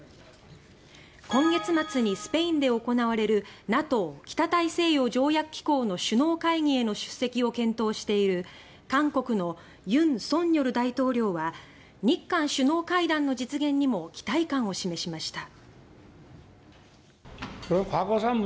今月末にスペインで行われるＮＡＴＯ・北大西洋条約機構の首脳会議への出席を検討している韓国の尹錫悦大統領は日韓首脳会談の実現にも期待感を示しました。